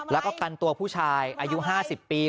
แล้วก็กันตัวผู้ชายอายุ๕๐ปี